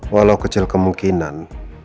walau kecil kemungkinan